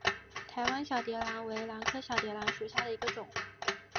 台湾小蝶兰为兰科小蝶兰属下的一个种。